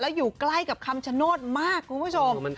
อยู่ใกล้กับคำชโนธมากคุณผู้ชม